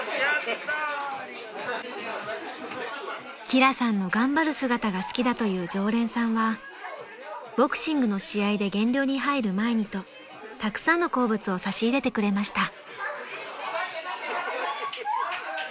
［輝さんの頑張る姿が好きだという常連さんはボクシングの試合で減量に入る前にとたくさんの好物を差し入れてくれました］